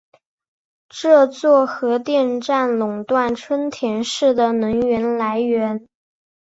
这座核电站垄断春田市的能源来源。